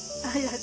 はい。